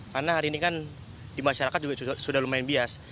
karena hari ini kan di masyarakat sudah lumayan bias